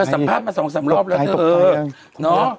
มีสัมภาพมาสองสามรอบแล้วเนี่ย